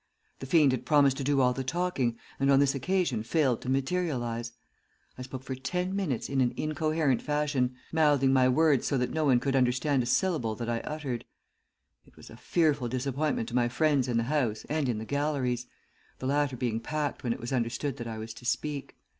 The fiend had promised to do all the talking, and on this occasion failed to materialize. I spoke for ten minutes in an incoherent fashion, mouthing my words so that no one could understand a syllable that I uttered. It was a fearful disappointment to my friends in the House and in the galleries; the latter being packed when it was understood that I was to speak.